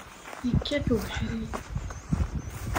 Yekkat ubeḥri.